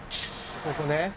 ここね。